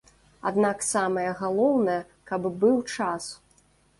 Аднак самае галоўнае, каб быў час.